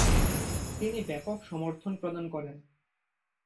তিনি ব্যাপক সমর্থন প্রদান করেন।